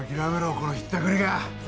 このひったくりが！